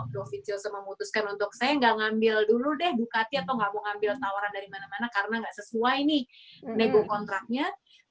dovin jose memutuskan untuk saya nggak ngambil dulu deh bukati atau nggak mau ngambil tawaran dari mana mana karena nggak sesuai nih nego kontraknya